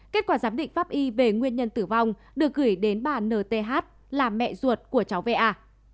kết quả giám định pháp y về nguyên nhân tử vong được gửi đến bà nth là mẹ ruột của cháu va